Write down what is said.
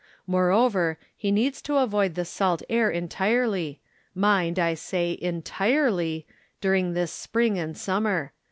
Moreover, he needs to avoid the salt air entirely — mind, I say entirely — during this spring and summer.